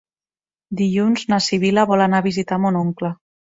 Dilluns na Sibil·la vol anar a visitar mon oncle.